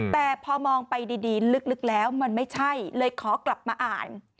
แต่พอมองไปดีลึกแล้วมันไม่ใช่เลยขอกลับมาอ่าน